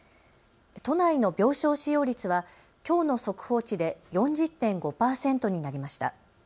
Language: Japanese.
都内の病床使用率はきょうの速報値で４０．５％になりました。